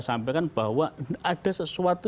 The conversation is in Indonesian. sampaikan bahwa ada sesuatu